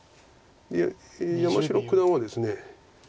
で山城九段はですね